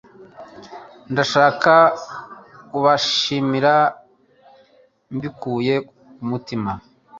Ndashaka kubashimira mbikuye ku mutima.